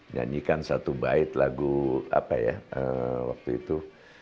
nyanyikan satu bait lagu apa ya waktu itu